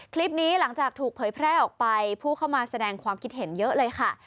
หลังจากถูกเผยแพร่ออกไปผู้เข้ามาแสดงความคิดเห็นเยอะเลยค่ะ